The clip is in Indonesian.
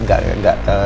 gak gak gak